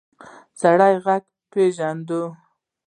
سړی غږ وپېژاند.